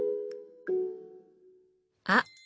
あっ！